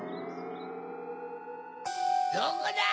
どこだ？